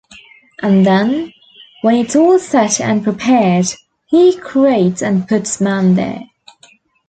And then, when it's all set and prepared, he creates and puts man there.